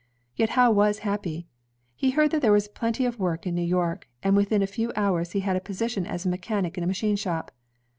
Yet Howe was happy. He heard that there was plenty of work in New York, and within a few hours he had a position as a mechanic in a machine shop.